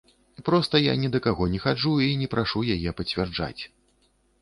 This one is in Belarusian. Проста я ні да каго не хаджу і не прашу яе пацвярджаць.